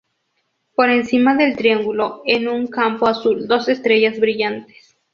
Por encima del triángulo en un campo azul dos estrellas brillantes.